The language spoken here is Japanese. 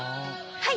はい！